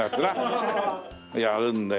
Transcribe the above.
やるんだよ。